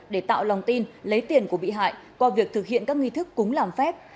để tạo lòng tin lấy tiền của bị hại qua việc thực hiện các nghi thức cúng làm phép